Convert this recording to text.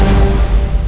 ini memang apa